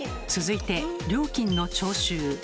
続いて料金の徴収。